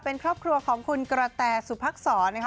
เป็นครอบครัวของคุณกระแตสุพักษรนะคะ